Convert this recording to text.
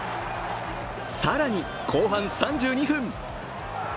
更に、後半３２に分。